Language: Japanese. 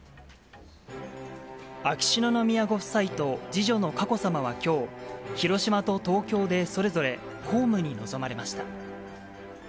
秋篠宮ご夫妻と次女の佳子さまはきょう、広島と東京でそれぞれ公務に臨まれました。